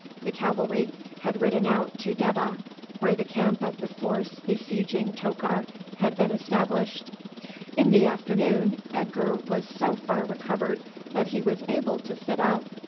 The cavalry had ridden out to Debbah, where the camp of the force besieging Tokar had been established. In the afternoon Edgar was so far recovered that he was able to sit up.